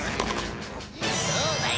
そうだよ！